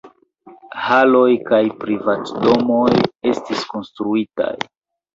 Haloj kaj privatdomoj estis konstruitaj.